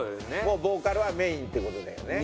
ボーカルはメインって事だよね。